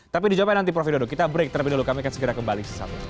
tapi dijawabkan nanti prof hidodo kita break terlebih dulu kami akan segera kembali